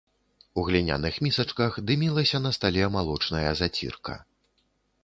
У гліняных місачках дымілася на стале малочная зацірка.